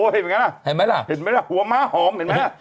เห็นไหมล่ะหัวม้าหอมเห็นไหมล่ะ